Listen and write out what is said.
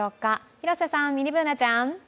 広瀬さん、ミニＢｏｏｎａちゃん。